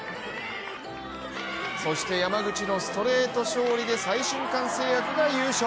そして山口のストレート勝利で再春館製薬が優勝。